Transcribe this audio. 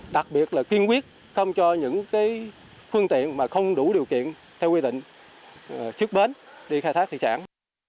đặc biệt là kiên quyết không cho những phương tiện mà không đủ điều kiện theo quy định trước bến đi khai thác thủy sản